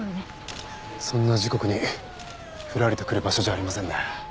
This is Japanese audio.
そんな時刻にふらりと来る場所じゃありませんね。